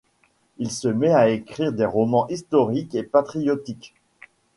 Il se met à écrire des romans historiques et patriotiques.